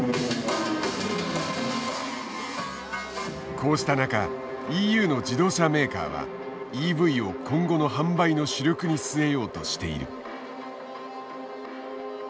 こうした中ＥＵの自動車メーカーはＥＶを今後の販売の主力に据えようとしている。